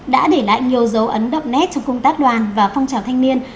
đã để lại nhiều dấu ấn đậm nét trong công tác đoàn và phong trào thanh niên